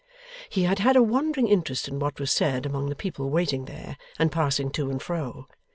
He had had a wandering interest in what was said among the people waiting there and passing to and fro.